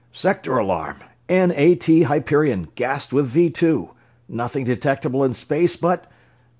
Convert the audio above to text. "Sector alarm! N. A. T. Hyperion gassed with Vee Two. Nothing detectable in space, but...."